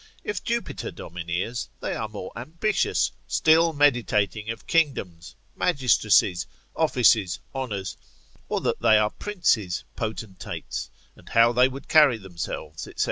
If Jupiter domineers, they are more ambitious, still meditating of kingdoms, magistracies, offices, honours, or that they are princes, potentates, and how they would carry themselves, &c.